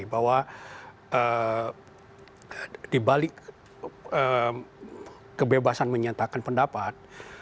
bahwa di balik kebebasan menyatakan pendapat